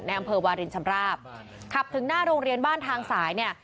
อำเภอวารินชำราบขับถึงหน้าโรงเรียนบ้านทางสายเนี่ย